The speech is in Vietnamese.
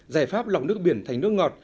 giải pháp lọc nước biển thành nước ngọt